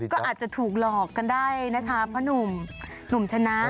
ก็อาจจะถูกหลอกกันได้นะคะเพราะหนุ่มชนะ